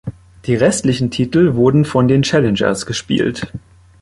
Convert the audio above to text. Die restlichen Titel wurden von den Challengers gespielt.